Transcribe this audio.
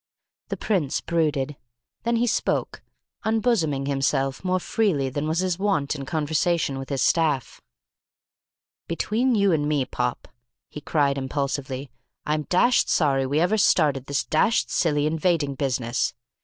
The Prince brooded. Then he spoke, unbosoming himself more freely than was his wont in conversation with his staff. "Between you and me, Pop," he cried impulsively, "I'm dashed sorry we ever started this dashed silly invading business.